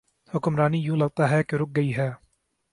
حکمرانی یوں لگتا ہے کہ رک گئی ہے۔